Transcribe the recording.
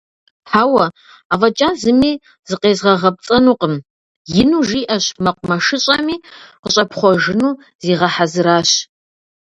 - Хьэуэ, афӀэкӀа зыми зыкъезгъэгъэпцӀэнукъым! - ину жиӀэщ мэкъумэшыщӀэми къыщӀэпхъуэжыну зигъэхьэзыращ.